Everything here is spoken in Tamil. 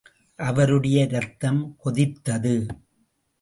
அவருடைய இரத்தம் கொதித்தது.